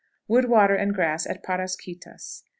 Wood, Water, and grass at Parrasquitas.